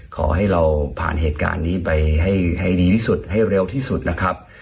ขอให้เราผ่านเหตุการณ์นี้ไปให้ดีที่สุดให้เร็วที่สุดนะครับ